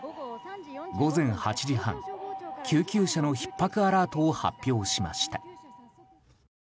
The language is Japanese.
午前８時半救急車のひっ迫アラートを発表しました。